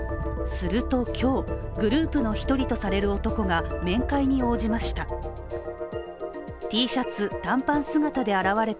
すると今日、グループの１人とされる男が面会に応じました。